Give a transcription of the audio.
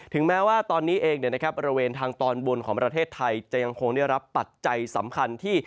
แม้ว่าตอนนี้เองบริเวณทางตอนบนของประเทศไทยจะยังคงได้รับปัจจัยสำคัญที่